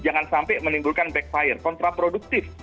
jangan sampai menimbulkan backfire kontraproduktif